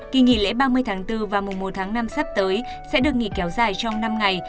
kỳ nghỉ lễ ba mươi tháng bốn và mùa một tháng năm sắp tới sẽ được nghỉ kéo dài trong năm ngày